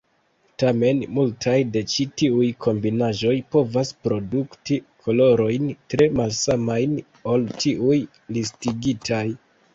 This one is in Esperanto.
Tamen, multaj de ĉi tiuj kombinaĵoj povas produkti kolorojn tre malsamajn ol tiuj listigitaj.